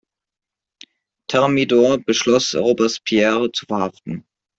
Thermidor beschloss, Robespierre zu verhaften.